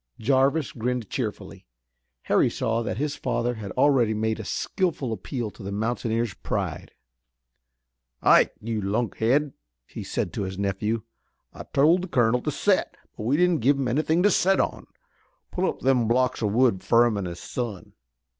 Jarvis grinned cheerfully. Harry saw that his father had already made a skillful appeal to the mountaineer's pride. "Ike, you lunkhead," he said to his nephew, "I told the colonel to set, but we did'nt give him anythin' to set on. Pull up them blocks o' wood fur him an' his son.